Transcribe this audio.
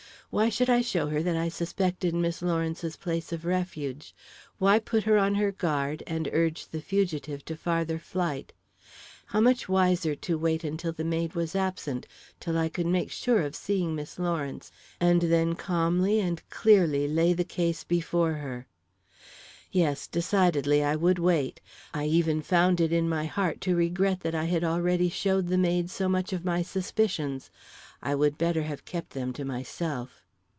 Why should I show her that I suspected Miss Lawrence's place of refuge? Why put her on her guard and urge the fugitive to farther flight? How much wiser to wait until the maid was absent, till I could make sure of seeing Miss Lawrence, and then calmly and clearly lay the case before her. Yes, decidedly, I would wait. I even found it in my heart to regret that I had already showed the maid so much of my suspicions. I would better have kept them to myself.